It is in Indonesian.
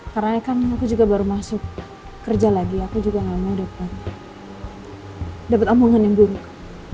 karena kan aku juga baru masuk kerja lagi aku juga gak mau dapet omongan yang buruk